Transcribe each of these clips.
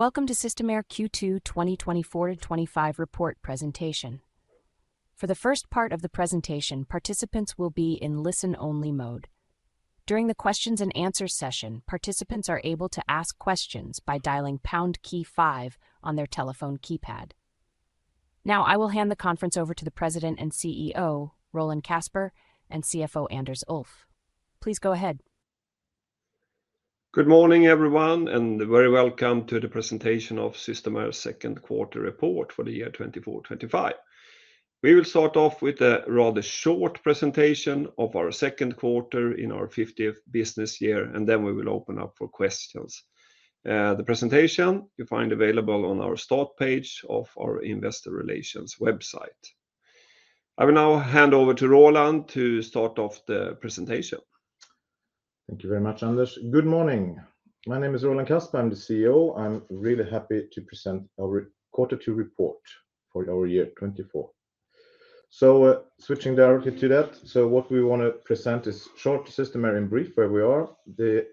Welcome to Systemair Q2 2024-25 report presentation. For the first part of the presentation, participants will be in listen-only mode. During the Q&A session, participants are able to ask questions by dialing pound key 5 on their telephone keypad. Now, I will hand the conference over to the President and CEO, Roland Kasper, and CFO Anders Ulff. Please go ahead. Good morning, everyone, and a very welcome to the presentation of Systemair's second quarter report for the year 2024-25. We will start off with a rather short presentation of our second quarter in our 50th business year, and then we will open up for questions. The presentation you find available on our start page of our investor relations website. I will now hand over to Roland to start off the presentation. Thank you very much, Anders. Good morning. My name is Roland Kasper, I'm the CEO. I'm really happy to present our Q2 report for our year 2024. So, switching directly to that, what we want to present is short, Systemair in brief, where we are,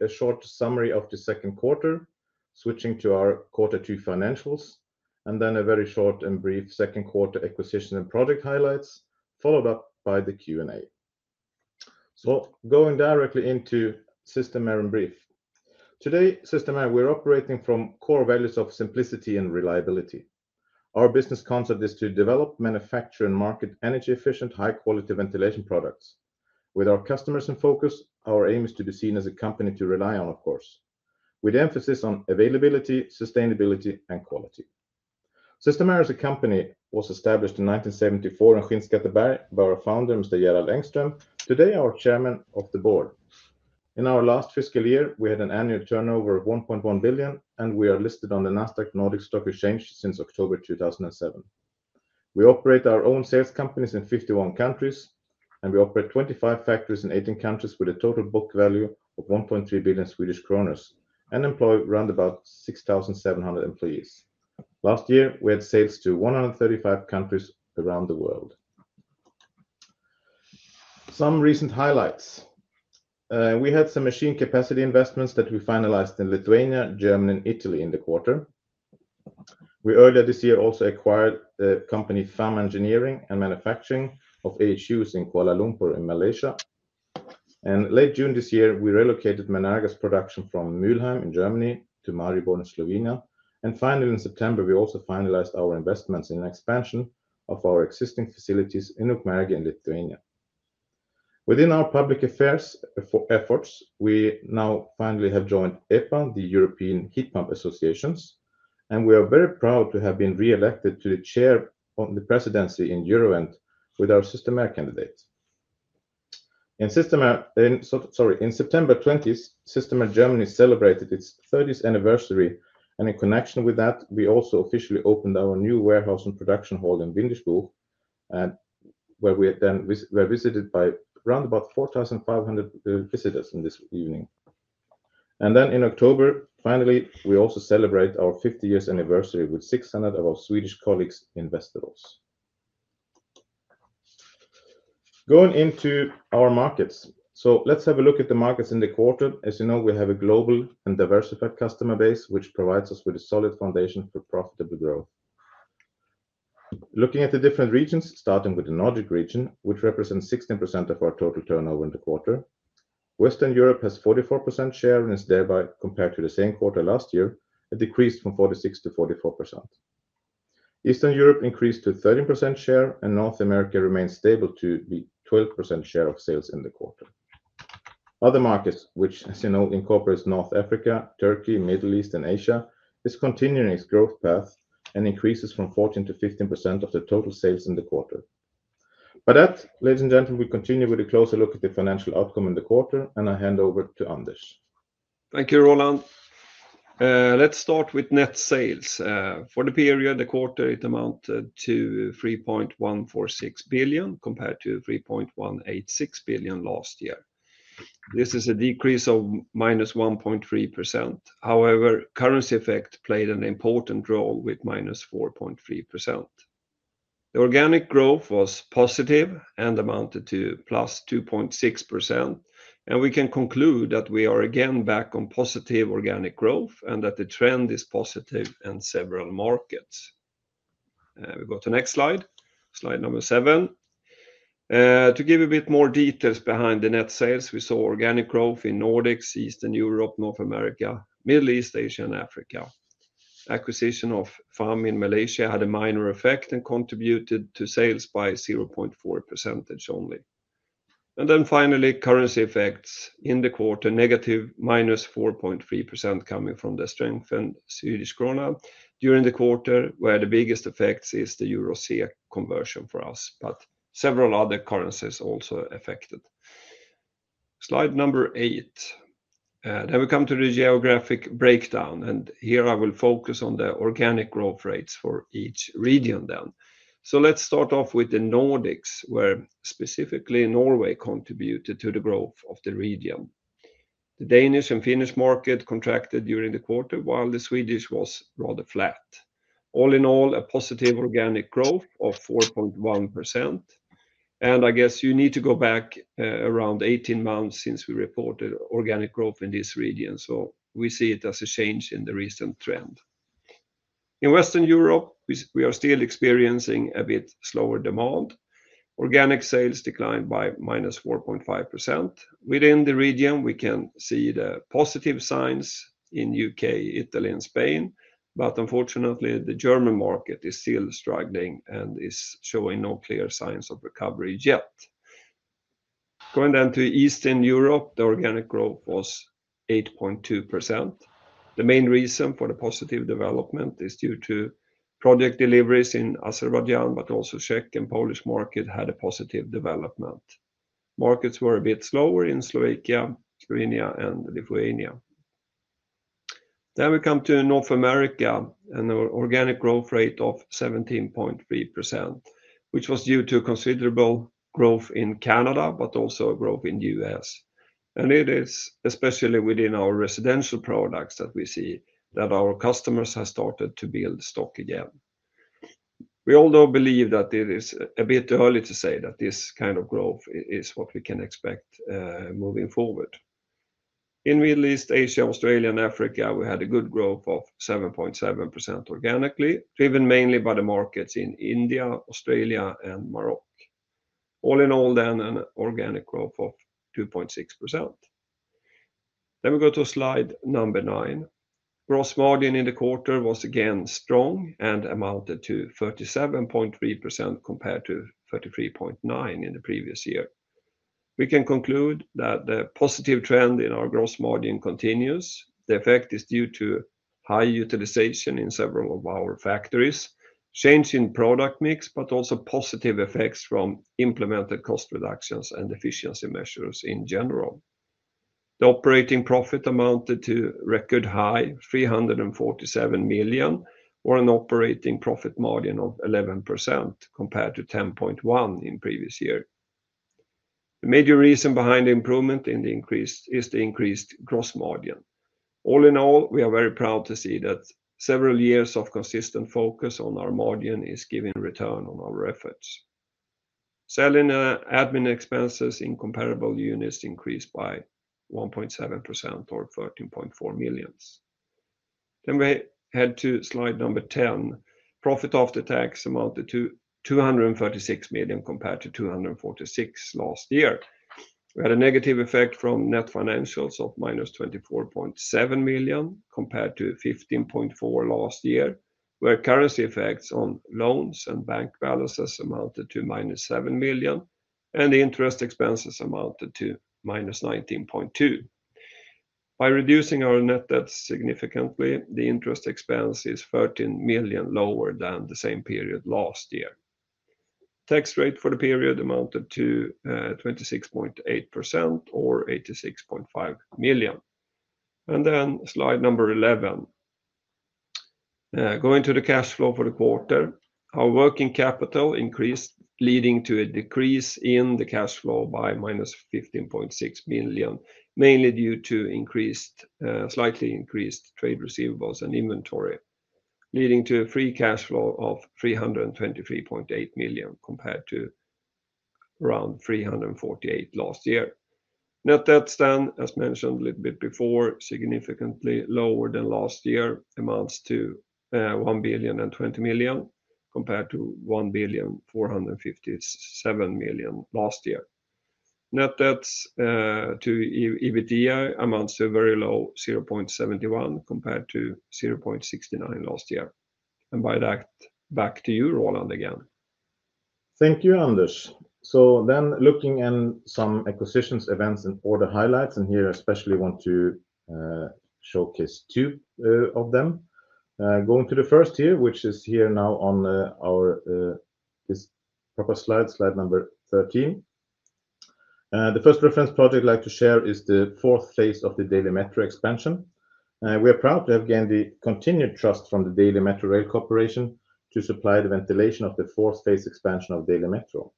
a short summary of the second quarter, switching to our Q2 financials, and then a very short and brief second quarter acquisition and project highlights, followed up by the Q&A. So, going directly into Systemair in brief. Today, Systemair, we're operating from core values of simplicity and reliability. Our business concept is to develop, manufacture, and market energy-efficient, high-quality ventilation products. With our customers in focus, our aim is to be seen as a company to rely on, of course, with emphasis on availability, sustainability, and quality. Systemair as a company was established in 1974 in Skinnskatteberg by our founder, Mr. Gerald Engström. Today, our Chairman of the Board. In our last fiscal year, we had an annual turnover of 1.1 billion, and we are listed on the Nasdaq Nordic Stock Exchange since October 2007. We operate our own sales companies in 51 countries, and we operate 25 factories in 18 countries with a total book value of 1.3 billion Swedish kronor, and employ around about 6,700 employees. Last year, we had sales to 135 countries around the world. Some recent highlights: we had some machine capacity investments that we finalized in Lithuania, Germany, and Italy in the quarter. We earlier this year also acquired the company FAM Engineering and manufacturing of AHUs in Kuala Lumpur in Malaysia. And late June this year, we relocated Menerga's production from Mülheim in Germany to Maribor in Slovenia. And finally, in September, we also finalized our investments in an expansion of our existing facilities in Ukmergė in Lithuania. Within our public affairs efforts, we now finally have joined EHPA, the European Heat Pump Association, and we are very proud to have been re-elected to the chair of the presidency in Eurovent with our Systemair candidate. In September 2020, Systemair Germany celebrated its 30th anniversary, and in connection with that, we also officially opened our new warehouse and production hall in Boxberg-Windischbuch, where we then were visited by around about 4,500 visitors this evening. And then in October, finally, we also celebrate our 50th anniversary with 600 of our Swedish colleagues in Västerås. Going into our markets, so let's have a look at the markets in the quarter. As you know, we have a global and diversified customer base, which provides us with a solid foundation for profitable growth. Looking at the different regions, starting with the Nordic region, which represents 16% of our total turnover in the quarter, Western Europe has a 44% share and is thereby compared to the same quarter last year, a decrease from 46% to 44%. Eastern Europe increased to a 13% share, and North America remains stable to the 12% share of sales in the quarter. Other markets, which, as you know, incorporate North Africa, Turkey, the Middle East, and Asia, are continuing its growth path and increasing from 14% to 15% of the total sales in the quarter. By that, ladies and gentlemen, we continue with a closer look at the financial outcome in the quarter, and I hand over to Anders. Thank you, Roland. Let's start with net sales. For the period, the quarter amounted to 3.146 billion compared to 3.186 billion last year. This is a decrease of minus 1.3%. However, currency effect played an important role with minus 4.3%. The organic growth was positive and amounted to plus 2.6%, and we can conclude that we are again back on positive organic growth and that the trend is positive in several markets. We go to the next slide, slide number seven. To give you a bit more details behind the net sales, we saw organic growth in Nordics, Eastern Europe, North America, Middle East, Asia, and Africa. Acquisition of FAM in Malaysia had a minor effect and contributed to sales by 0.4% only. And then finally, currency effects in the quarter, negative -4.3% coming from the strengthened Swedish krona during the quarter, where the biggest effect is the EUR/SEK conversion for us, but several other currencies also affected. Slide number eight. Then we come to the geographic breakdown, and here I will focus on the organic growth rates for each region then. So let's start off with the Nordics, where specifically Norway contributed to the growth of the region. The Danish and Finnish market contracted during the quarter, while the Swedish was rather flat. All in all, a positive organic growth of 4.1%. And I guess you need to go back around 18 months since we reported organic growth in this region, so we see it as a change in the recent trend. In Western Europe, we are still experiencing a bit slower demand. Organic sales declined by -4.5%. Within the region, we can see the positive signs in the U.K., Italy, and Spain, but unfortunately, the German market is still struggling and is showing no clear signs of recovery yet. Going then to Eastern Europe, the organic growth was 8.2%. The main reason for the positive development is due to project deliveries in Azerbaijan, but also the Czech and Polish markets had a positive development. Markets were a bit slower in Slovakia, Slovenia, and Lithuania. We come to North America, an organic growth rate of 17.3%, which was due to considerable growth in Canada, but also growth in the U.S. It is especially within our residential products that we see that our customers have started to build stock again. We all though believe that it is a bit early to say that this kind of growth is what we can expect moving forward. In Middle East, Asia, Australia, and Africa, we had a good growth of 7.7% organically, driven mainly by the markets in India, Australia, and Morocco. All in all then, an organic growth of 2.6%. Then we go to slide number nine. Gross margin in the quarter was again strong and amounted to 37.3% compared to 33.9% in the previous year. We can conclude that the positive trend in our gross margin continues. The effect is due to high utilization in several of our factories, change in product mix, but also positive effects from implemented cost reductions and efficiency measures in general. The operating profit amounted to record high, 347 million SEK, or an operating profit margin of 11% compared to 10.1% in the previous year. The major reason behind the improvement in the increase is the increased gross margin. All in all, we are very proud to see that several years of consistent focus on our margin is giving return on our efforts. Selling and admin expenses in comparable units increased by 1.7% or 13.4 million. We head to slide number 10. Profit after tax amounted to 236 million compared to 246 million last year. We had a negative effect from net financials of minus 24.7 million compared to 15.4 million last year, where currency effects on loans and bank balances amounted to minus 7 million, and the interest expenses amounted to minus 19.2 million. By reducing our net debt significantly, the interest expense is 13 million lower than the same period last year. Tax rate for the period amounted to 26.8% or 86.5 million. Slide number 11. Going to the cash flow for the quarter, our working capital increased, leading to a decrease in the cash flow by minus 15.6 million, mainly due to slightly increased trade receivables and inventory, leading to a free cash flow of 323.8 million compared to around 348 million last year. Net debt then, as mentioned a little bit before, significantly lower than last year, amounts to 1 billion and 20 million compared to 1 billion 457 million last year. Net debt to EBITDA amounts to a very low 0.71 compared to 0.69 last year. And by that, back to you, Roland, again. Thank you, Anders. So then looking at some acquisitions events and order highlights, and here especially I want to showcase two of them. Going to the first here, which is here now on this proper slide, slide number 13. The first reference project I'd like to share is the fourth phase of the Delhi Metro expansion. We are proud to have gained the continued trust from the Delhi Metro Rail Corporation to supply the ventilation of the fourth phase expansion of Delhi Metro.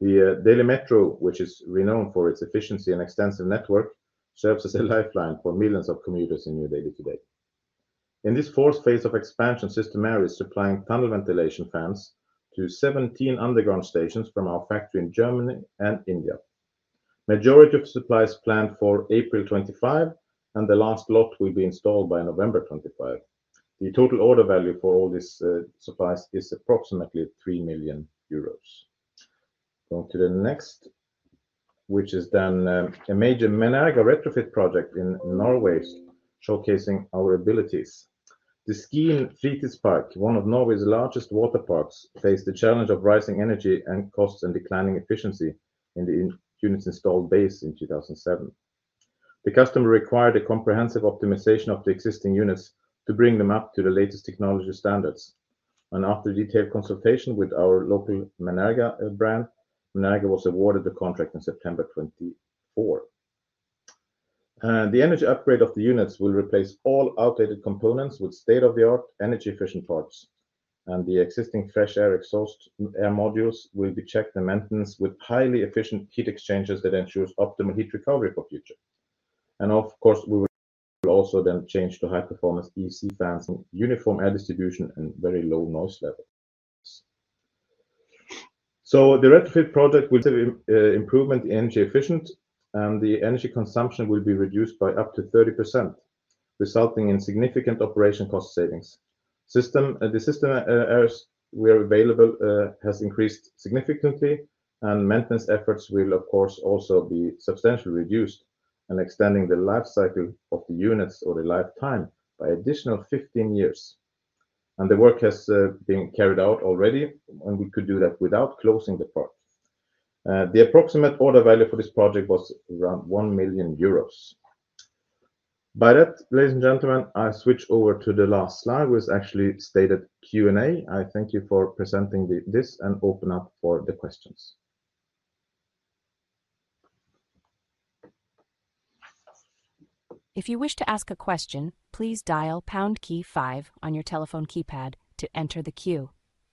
The Delhi Metro, which is renowned for its efficiency and extensive network, serves as a lifeline for millions of commuters in New Delhi today. In this fourth phase of expansion, Systemair is supplying tunnel ventilation fans to 17 underground stations from our factory in Germany and India. The majority of supplies are planned for April 25, and the last lot will be installed by November 25. The total order value for all these supplies is approximately 3 million euros. Going to the next, which is then a major Menerga retrofit project in Norway, showcasing our abilities. The Skien Fritidspark, one of Norway's largest water parks, faced the challenge of rising energy and costs and declining efficiency in the units installed base in 2007. The customer required a comprehensive optimization of the existing units to bring them up to the latest technology standards. And after detailed consultation with our local Menerga brand, Menerga was awarded the contract in September 2024. The energy upgrade of the units will replace all outdated components with state-of-the-art energy-efficient parts. And the existing fresh air exhaust air modules will be checked and maintained with highly efficient heat exchangers that ensure optimal heat recovery for the future. And of course, we will also then change to high-performance EC fans and uniform air distribution and very low noise levels. So the retrofit project will improve energy efficiency, and the energy consumption will be reduced by up to 30%, resulting in significant operation cost savings. The Systemair we have available has increased significantly, and maintenance efforts will, of course, also be substantially reduced, extending the lifecycle of the units or the lifetime by an additional 15 years. And the work has been carried out already, and we could do that without closing the part. The approximate order value for this project was around 1 million euros. By that, ladies and gentlemen, I switch over to the last slide, which actually stated Q&A. I thank you for presenting this and open up for the questions. If you wish to ask a question, please dial pound key five on your telephone keypad to enter the queue.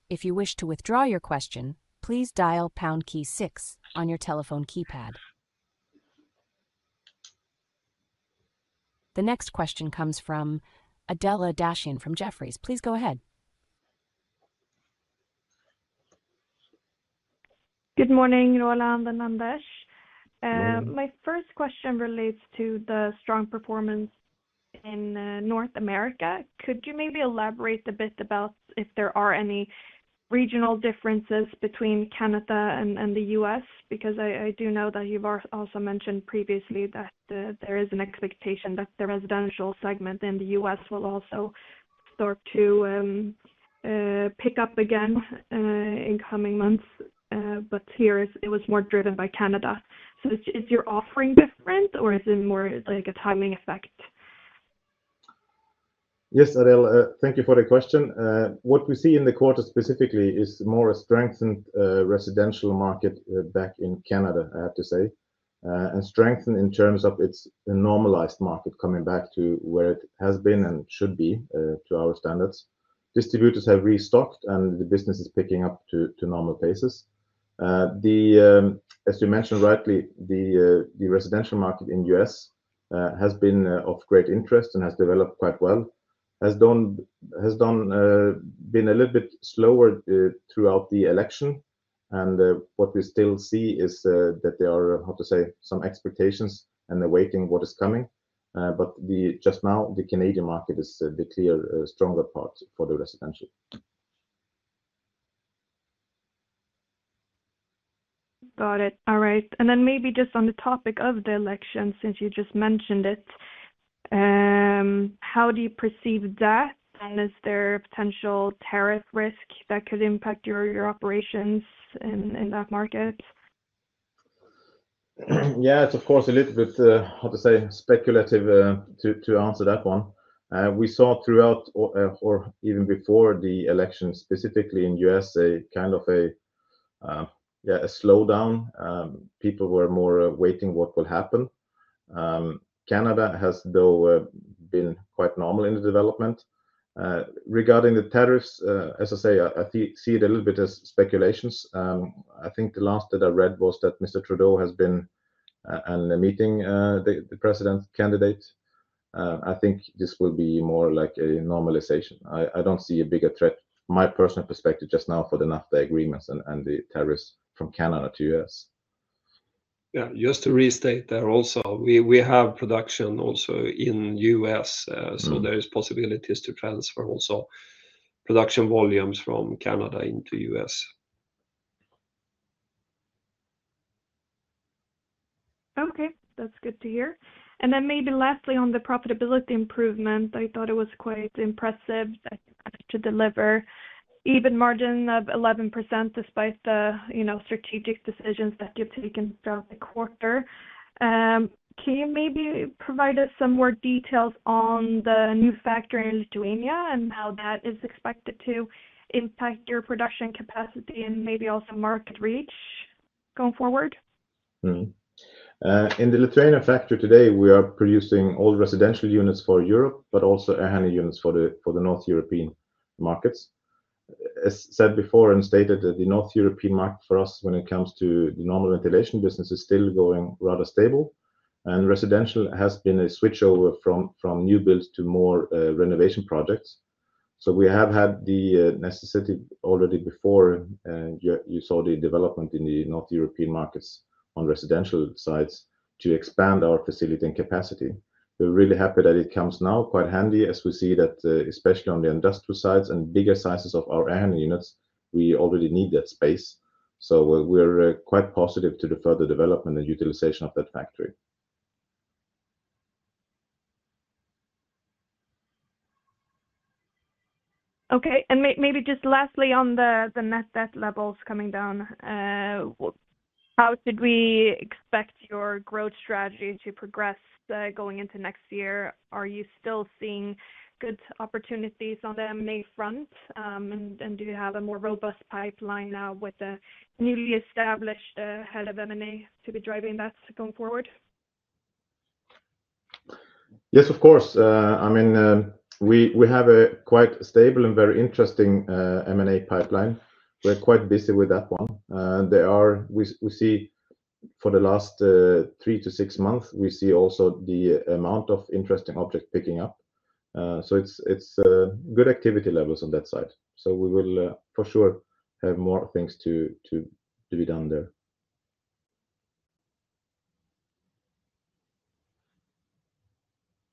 If you wish to withdraw your question, please dial pound key six on your telephone keypad. The next question comes from Adela Dashian from Jefferies. Please go ahead. Good morning, Roland and Anders. My first question relates to the strong performance in North America. Could you maybe elaborate a bit about if there are any regional differences between Canada and the US? Because I do know that you've also mentioned previously that there is an expectation that the residential segment in the US will also start to pick up again in coming months, but here it was more driven by Canada. So is your offering different, or is it more like a timing effect? Yes, Adela, thank you for the question. What we see in the quarter specifically is more a strengthened residential market back in Canada, I have to say, and strengthened in terms of its normalized market coming back to where it has been and should be to our standards. Distributors have restocked, and the business is picking up to normal paces. As you mentioned rightly, the residential market in the U.S. has been of great interest and has developed quite well. It has been a little bit slower throughout the election, and what we still see is that there are, how to say, some expectations and awaiting what is coming. But just now, the Canadian market is the clear stronger part for the residential. Got it. All right. And then maybe just on the topic of the election, since you just mentioned it, how do you perceive that? And is there a potential tariff risk that could impact your operations in that market? Yeah, it's of course a little bit, how to say, speculative to answer that one. We saw throughout, or even before the election, specifically in the US, a kind of a slowdown. People were more waiting what will happen. Canada has though been quite normal in the development. Regarding the tariffs, as I say, I see it a little bit as speculations. I think the last that I read was that Mr. Trudeau has been in a meeting, the president candidate. I think this will be more like a normalization. I don't see a bigger threat, from my personal perspective, just now for the NAFTA agreements and the tariffs from Canada to the US. Yeah, just to restate there also, we have production also in the U.S., so there are possibilities to transfer also production volumes from Canada into the U.S. Okay, that's good to hear, and then maybe lastly, on the profitability improvement, I thought it was quite impressive that you managed to deliver EBIT margin of 11% despite the strategic decisions that you've taken throughout the quarter. Can you maybe provide us some more details on the new factory in Lithuania and how that is expected to impact your production capacity and maybe also market reach going forward? In the Lithuania factory today, we are producing all residential units for Europe, but also air handling units for the North European markets. As said before and stated, the North European market for us when it comes to the normal ventilation business is still going rather stable, and residential has been a switchover from new builds to more renovation projects, so we have had the necessity already before, and you saw the development in the North European markets on residential sites to expand our facility and capacity. We're really happy that it comes now quite handy as we see that especially on the industrial sites and bigger sizes of our air handling units, we already need that space, so we're quite positive to the further development and utilization of that factory. Okay, and maybe just lastly on the net debt levels coming down, how should we expect your growth strategy to progress going into next year? Are you still seeing good opportunities on the M&A front, and do you have a more robust pipeline now with the newly established head of M&A to be driving that going forward? Yes, of course. I mean, we have a quite stable and very interesting M&A pipeline. We're quite busy with that one. We see for the last three to six months, we see also the amount of interesting objects picking up. So it's good activity levels on that side. So we will for sure have more things to be done there.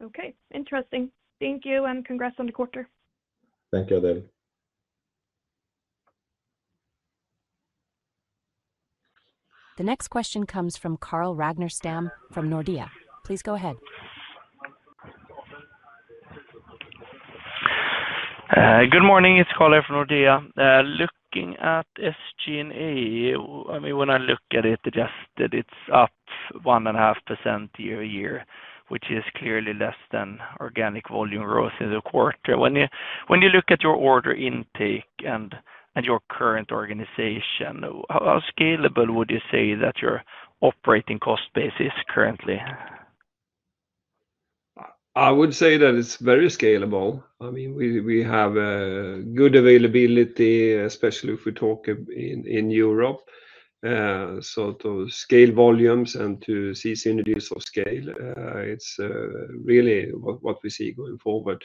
Okay, interesting. Thank you and congrats on the quarter. Thank you, Adela. The next question comes from Carl Ragner Stam from Nordea. Please go ahead. Good morning, it's Carl from Nordea. Looking at SG&A, I mean, when I look at it, it's up 1.5% year over year, which is clearly less than organic volume growth in the quarter. When you look at your order intake and your current organization, how scalable would you say that your operating cost base is currently? I would say that it's very scalable. I mean, we have good availability, especially if we talk in Europe. So to scale volumes and to see synergies of scale, it's really what we see going forward.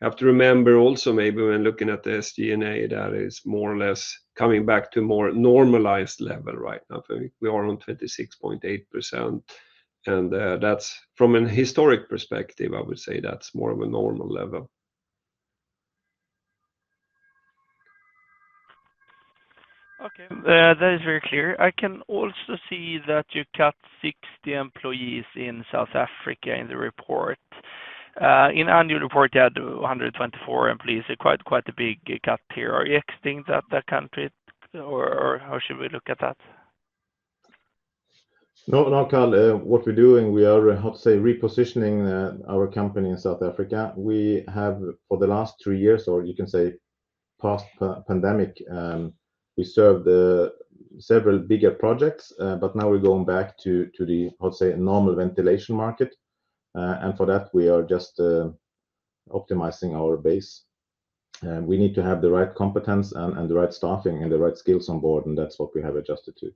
You have to remember also maybe when looking at the SG&A that it's more or less coming back to a more normalized level right now. We are on 26.8%, and that's from a historic perspective, I would say that's more of a normal level. Okay. That is very clear. I can also see that you cut 60 employees in South Africa in the report. In the annual report, you had 124 employees. Quite a big cut here. Are you expecting that that can fit, or how should we look at that? No, no, Carl. What we're doing, we are, how to say, repositioning our company in South Africa. We have, for the last three years, or you can say past pandemic, we served several bigger projects, but now we're going back to the, how to say, normal ventilation market. And for that, we are just optimizing our base. We need to have the right competence and the right staffing and the right skills on board, and that's what we have adjusted to.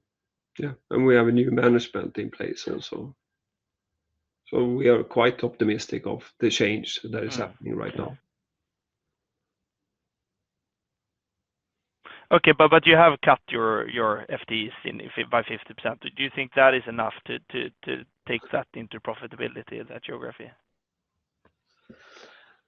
Yeah, and we have a new management in place also. So we are quite optimistic of the change that is happening right now. Okay, but you have cut your FTEs by 50%. Do you think that is enough to take that into profitability in that geography?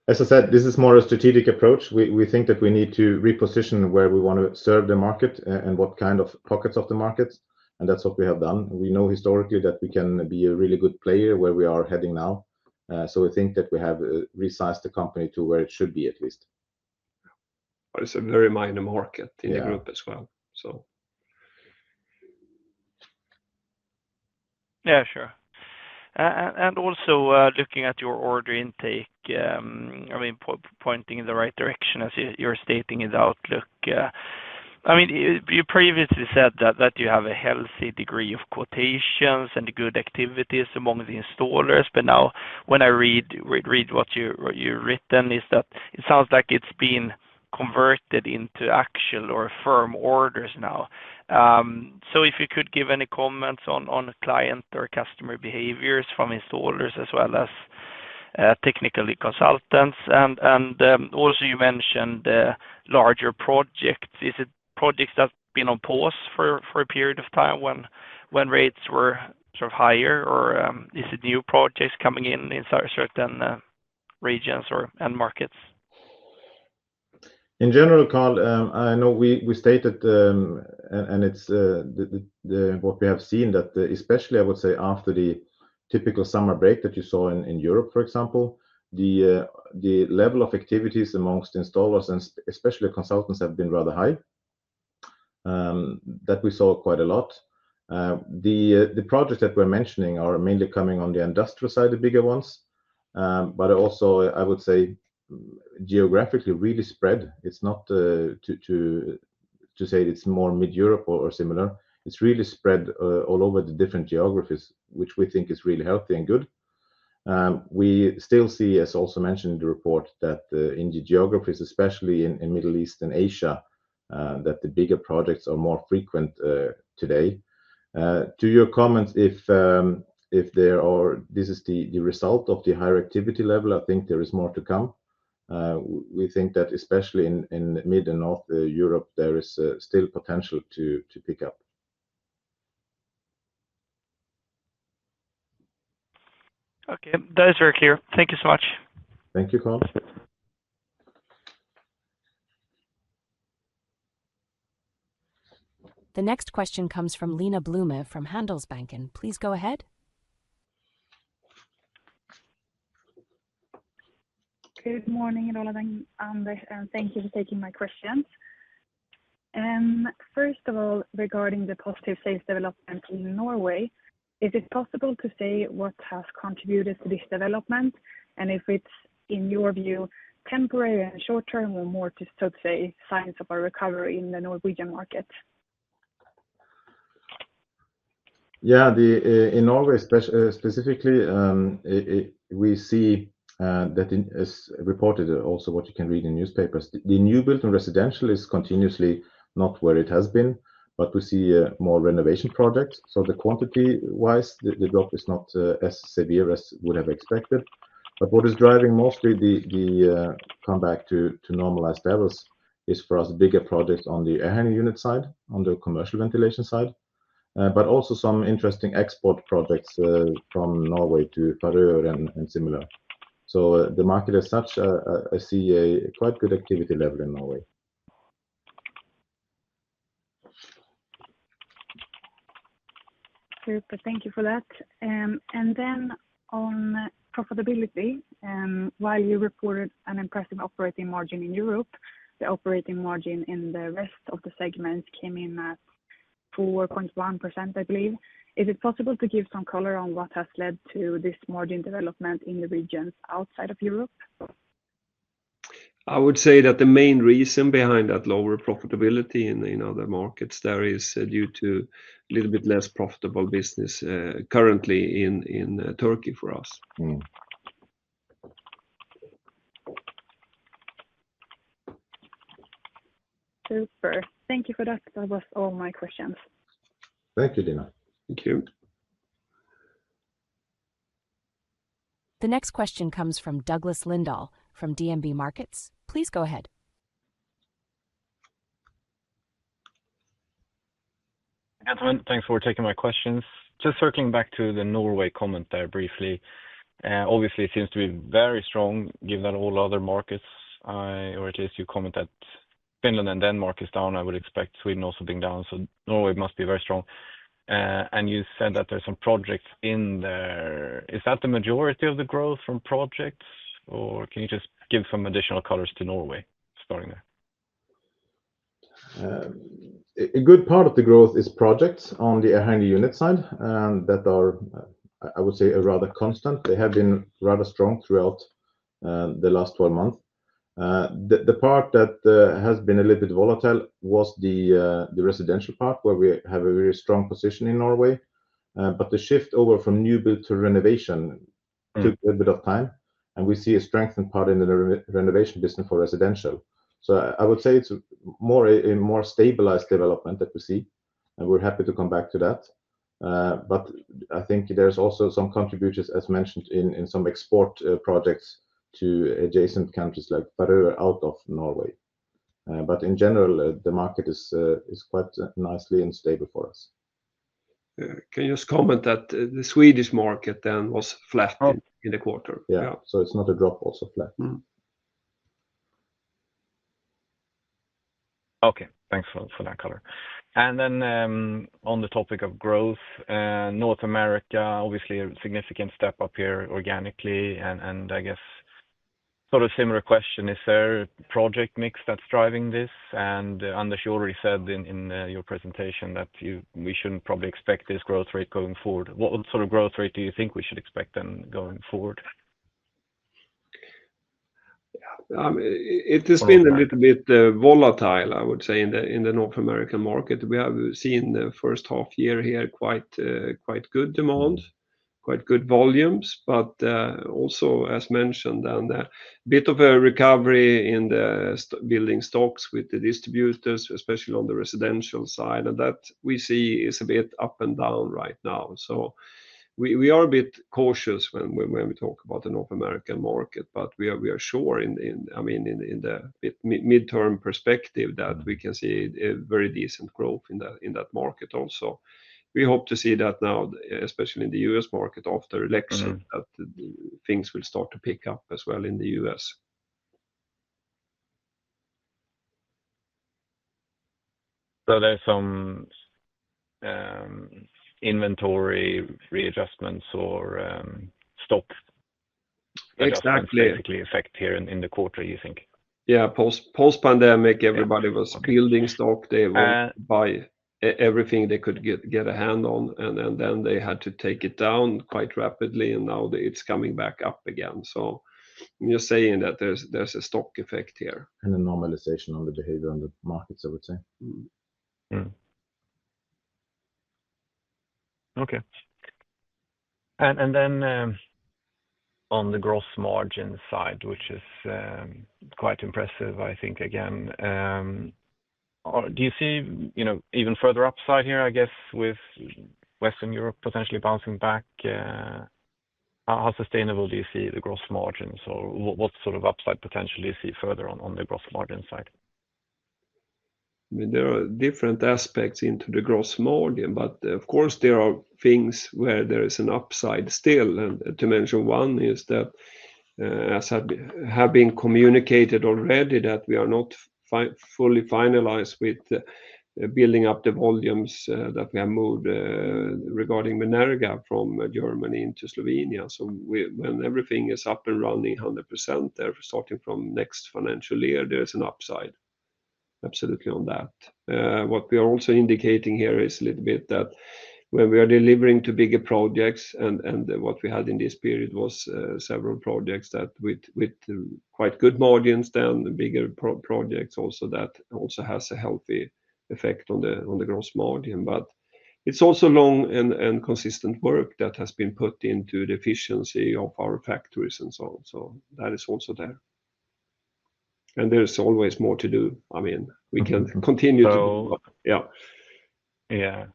As I said, this is more a strategic approach. We think that we need to reposition where we want to serve the market and what kind of pockets of the market. And that's what we have done. We know historically that we can be a really good player where we are heading now. So we think that we have resized the company to where it should be at least. Very minor market in the group as well, so. Yeah, sure. And also looking at your order intake, I mean, pointing in the right direction as you're stating in the outlook. I mean, you previously said that you have a healthy degree of quotations and good activities among the installers, but now when I read what you've written, it sounds like it's been converted into actual or firm orders now. So if you could give any comments on client or customer behaviors from installers as well as technical consultants? And also you mentioned larger projects. Is it projects that have been on pause for a period of time when rates were sort of higher, or is it new projects coming in in certain regions and markets? In general, Carl, I know we stated, and it's what we have seen that especially, I would say, after the typical summer break that you saw in Europe, for example, the level of activities among installers and especially consultants have been rather high. That we saw quite a lot. The projects that we're mentioning are mainly coming on the industrial side, the bigger ones, but also, I would say, geographically really spread. It's not to say it's more mid-Europe or similar. It's really spread all over the different geographies, which we think is really healthy and good. We still see, as also mentioned in the report, that in the geographies, especially in the Middle East and Asia, that the bigger projects are more frequent today. To your comments, if this is the result of the higher activity level, I think there is more to come. We think that especially in mid and north Europe, there is still potential to pick up. Okay, that is very clear. Thank you so much. Thank you, Carl. The next question comes from Lena Blume from Handelsbanken. Please go ahead. Good morning, Roland and Anders. Thank you for taking my questions. First of all, regarding the positive sales development in Norway, is it possible to say what has contributed to this development, and if it's, in your view, temporary and short-term or more to, so to say, signs of a recovery in the Norwegian market? Yeah, in Norway specifically, we see that it is reported also what you can read in newspapers. The newly built residential is continuously not where it has been, but we see more renovation projects. So quantity-wise, the drop is not as severe as we would have expected. But what is driving mostly the comeback to normalized levels is for us bigger projects on the air handling unit side, on the commercial ventilation side, but also some interesting export projects from Norway to Faroe Islands and similar. So the market as such sees a quite good activity level in Norway. Super, thank you for that. And then on profitability, while you reported an impressive operating margin in Europe, the operating margin in the rest of the segment came in at 4.1%, I believe. Is it possible to give some color on what has led to this margin development in the regions outside of Europe? I would say that the main reason behind that lower profitability in other markets there is due to a little bit less profitable business currently in Turkey for us. Super. Thank you for that. That was all my questions. Thank you, Lena. Thank you. The next question comes from Douglas Lindahl from DNB Markets. Please go ahead. Gentlemen, thanks for taking my questions. Just circling back to the Norway comment there briefly, obviously it seems to be very strong given that all other markets, or at least you comment that Finland and Denmark is down. I would expect Sweden also being down. So Norway must be very strong. And you said that there are some projects in there. Is that the majority of the growth from projects, or can you just give some additional colors to Norway starting there? A good part of the growth is projects on the air handling unit side that are, I would say, rather constant. They have been rather strong throughout the last 12 months. The part that has been a little bit volatile was the residential part where we have a very strong position in Norway. But the shift over from new build to renovation took a little bit of time, and we see a strengthened part in the renovation business for residential. So I would say it's a more stabilized development that we see, and we're happy to come back to that. But I think there's also some contributors, as mentioned, in some export projects to adjacent countries like Faroe Islands out of Norway. But in general, the market is quite nicely and stable for us. Can you just comment that the Swedish market then was flat in the quarter? Yeah, so it's not a drop, also flat. Okay, thanks for that color. And then on the topic of growth, North America obviously a significant step up here organically. And I guess sort of similar question, is there a project mix that's driving this? And unless you already said in your presentation that we shouldn't probably expect this growth rate going forward, what sort of growth rate do you think we should expect then going forward? It has been a little bit volatile, I would say, in the North American market. We have seen the first half year here quite good demand, quite good volumes, but also, as mentioned, a bit of a recovery in the building stocks with the distributors, especially on the residential side, and that we see is a bit up and down right now, so we are a bit cautious when we talk about the North American market, but we are sure, I mean, in the midterm perspective that we can see a very decent growth in that market also. We hope to see that now, especially in the U.S. market after elections, that things will start to pick up as well in the U.S. So there's some inventory readjustments or stock adjustments basically affect here in the quarter, you think? Yeah, post-pandemic, everybody was building stock. They were buying everything they could get a hand on, and then they had to take it down quite rapidly, and now it's coming back up again. So you're saying that there's a stock effect here. A normalization on the behavior on the markets, I would say. Okay, and then on the gross margin side, which is quite impressive, I think again, do you see even further upside here, I guess, with Western Europe potentially bouncing back? How sustainable do you see the gross margins, or what sort of upside potential do you see further on the gross margin side? There are different aspects into the gross margin, but of course, there are things where there is an upside still. And to mention one is that, as had been communicated already, that we are not fully finalized with building up the volumes that we have moved regarding Menerga from Germany into Slovenia. So when everything is up and running 100% there, starting from next financial year, there is an upside absolutely on that. What we are also indicating here is a little bit that when we are delivering to bigger projects, and what we had in this period was several projects that with quite good margins then, bigger projects also that also has a healthy effect on the gross margin. But it's also long and consistent work that has been put into the efficiency of our factories and so on. So that is also there. And there is always more to do. I mean, we can continue to do more. Yeah. Yeah,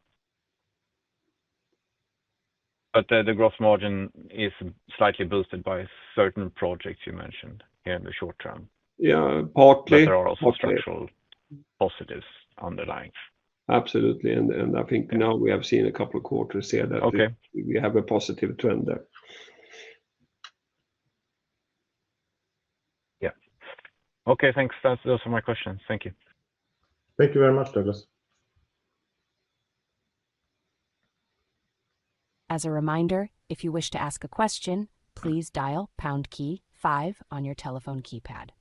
but the gross margin is slightly boosted by certain projects you mentioned here in the short term. Yeah, partly. But there are also structural positives underlying. Absolutely. And I think now we have seen a couple of quarters here that we have a positive trend there. Yeah. Okay, thanks. That's all my questions. Thank you. Thank you very much, Douglas. As a reminder, if you wish to ask a question, please dial pound key five on your telephone keypad.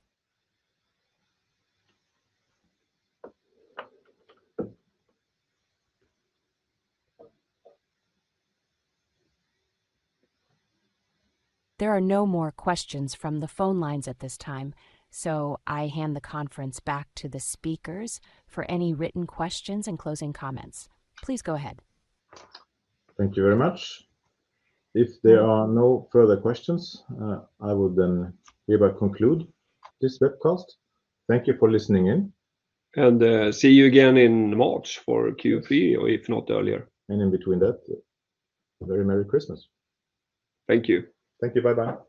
There are no more questions from the phone lines at this time, so I hand the conference back to the speakers for any written questions and closing comments. Please go ahead. Thank you very much. If there are no further questions, I would then hereby conclude this webcast. Thank you for listening in. See you again in March for Q3 or if not earlier. In between that, a very Merry Christmas. Thank you. Thank you. Bye-bye.